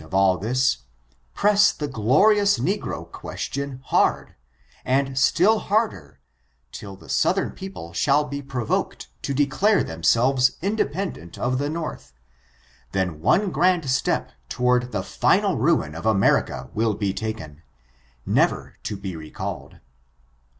367 of all this, press the glorious negro question hard, and still harder, till the southern people shall be pro voked to declare themselves independent of the North ; then one grand step toward the final ruin of America will be taken, never to be recalled.